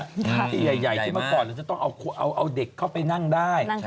ที่ใหญ่ที่เมื่อก่อนเราจะต้องเอาเด็กเข้าไปนั่งได้